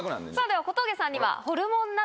では小峠さんには。